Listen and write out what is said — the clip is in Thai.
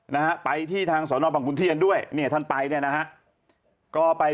นะฮะไปที่ทางสอนอบังคุณเทียนด้วยเนี่ยท่านไปเนี่ยนะฮะก็ไป